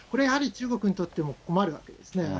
やはり中国にとっても困るわけですね。